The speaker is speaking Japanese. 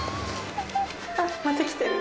あっまた来てる。